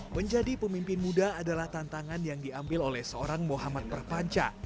menjadi pemimpin muda adalah tantangan yang diambil oleh seorang muhammad perpanca